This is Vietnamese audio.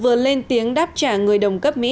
vừa lên tiếng đáp trả người đồng cấp mỹ